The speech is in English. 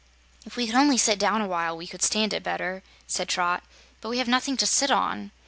"If we could only sit down a while, we could stand it better," said Trot, "but we have nothing to sit on."